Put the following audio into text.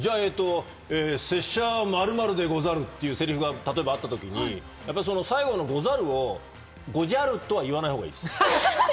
拙者、○○でござるというセリフがあった時に最後のござるをごじゃるとは言わないほうがいいです。